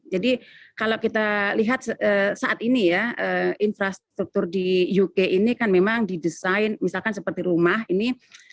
jadi kalau kita lihat saat ini ya infrastruktur di uk ini kan memang didesain misalkan seperti rumah ini